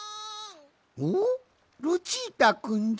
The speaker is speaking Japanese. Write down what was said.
おっルチータくんじゃ！